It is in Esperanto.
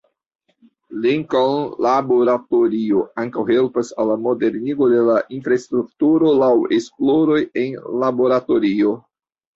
Lincoln Laboratorio ankaŭ helpas al la modernigo de la infrastrukturo laŭ esploroj en laboratorio.